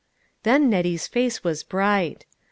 " Then Nettie's face was bright.